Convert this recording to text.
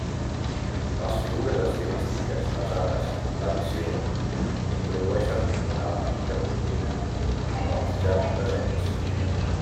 Les figures estilístiques basades en l'addició introdueixen un element que combina amb els ja presents.